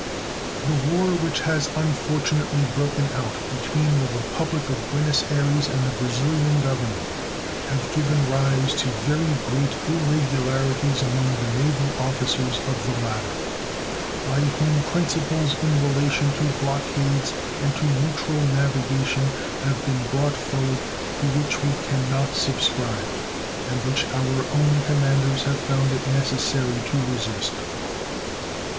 The war which has unfortunately broken out between the Republic of Buenos Ayres and the Brazilian Government has given rise to very great irregularities among the naval officers of the latter, by whom principles in relation to blockades and to neutral navigation have been brought forward to which we can not subscribe and which our own commanders have found it necessary to resist.